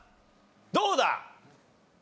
どうだ？